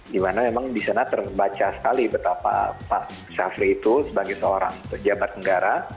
dimana memang di sana terbaca sekali betapa pak syafri itu sebagai seorang pejabat negara